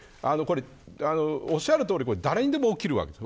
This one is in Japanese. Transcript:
おっしゃるとおり誰にでも起きるわけです。